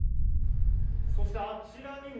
そしてあちらにも。